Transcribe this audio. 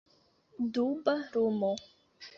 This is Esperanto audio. Duba lumo.